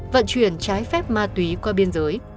vận chuyển trái phép ma túy qua biên giới